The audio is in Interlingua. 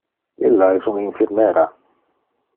Illa es un infirmera.